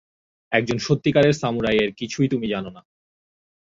একজন সত্যিকারের সামুরাই এর কিছুই তুমি জানো না।